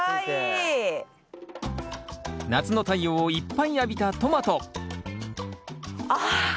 夏の太陽をいっぱい浴びたトマトあっつ。